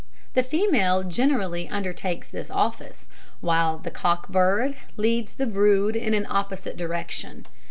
The female generally undertakes this office, while the cock bird leads the brood in an opposite direction.